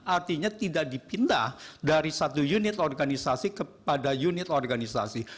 artinya tidak dipindah dari satu unit organisasi kepada unit organisasi